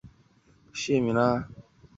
对她日后行医有深远的影响。